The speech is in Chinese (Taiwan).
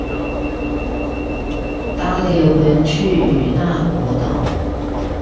搭了郵輪去與那國島